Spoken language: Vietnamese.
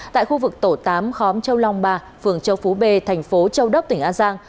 tại khu vực tổ tám khóm châu long ba phường châu phú b thành phố châu đốc tỉnh an giang